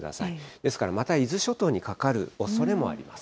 ですからまた伊豆諸島にかかるおそれもあります。